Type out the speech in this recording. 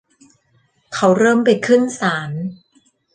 เขาเริ่มไปขึ้นศาล